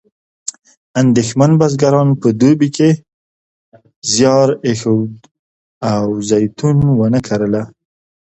اندېښمن بزګران په دوبي کې زیار ایښود او زیتون ونه کرله.